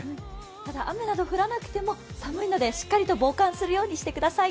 ただ雨など降らなくても寒いのでしっかりと防寒するようにしてください。